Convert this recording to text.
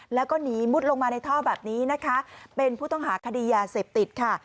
แล้วก็หนีมุดลงมาในท่อแบบนี้นะคะเป็นผู้ต้องหาคดียาเสพติดค่ะ